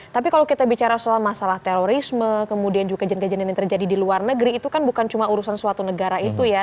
tapi kalau kita bicara soal masalah terorisme kemudian juga jendean yang terjadi di luar negeri itu kan bukan cuma urusan suatu negara itu ya